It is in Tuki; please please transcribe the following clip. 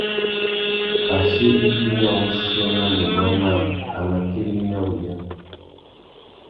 Pachí ibi nà wuchiô nà nuguá naā, a mà tirimiya wunya.